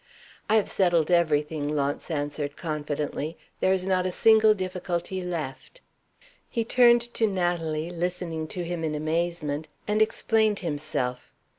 "I have settled everything," Launce answered, confidently. "There is not a single difficulty left." He turned to Natalie, listening to him in amazement, and explained himself.